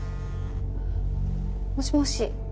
もしもし？